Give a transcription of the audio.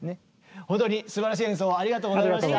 ほんとにすばらしい演奏をありがとうございました。